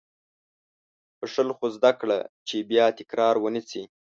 • بښل، خو زده کړه چې بیا تکرار ونه شي.